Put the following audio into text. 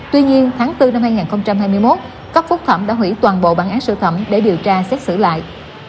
tuy nhiên tháng bốn năm hai nghìn hai mươi một cấp phúc thẩm đã hủy toàn bộ bản án sơ thẩm để điều tra xét xử lại